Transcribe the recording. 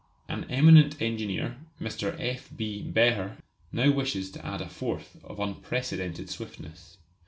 An eminent engineer, Mr. F. B. Behr, now wishes to add a fourth of unprecedented swiftness.